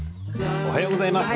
おはようございます。